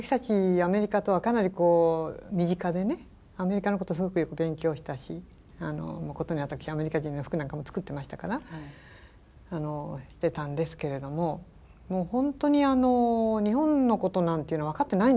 アメリカとはかなり身近でアメリカのことすごくよく勉強したし殊に私アメリカ人の服なんかも作ってましたから知ってたんですけれどももう本当に日本のことなんていうの分かってないんですよね。